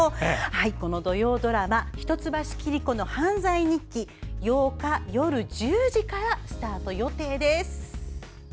土曜ドラマ「一橋桐子の犯罪日記」８日夜１０時からスタート予定です。